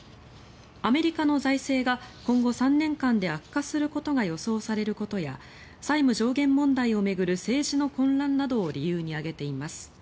アメリカの財政が今後３年間で悪化することが予想されることや債務上限問題を巡る政治の混乱などを理由に挙げています。